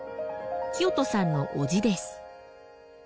聖人さんの叔父です。